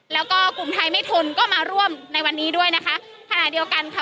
แล้วก็กลุ่มไทยไม่ทนก็มาร่วมในวันนี้ด้วยนะคะขณะเดียวกันค่ะ